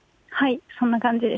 そんな感じです。